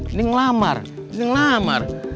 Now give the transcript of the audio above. ini ngelamar ini ngelamar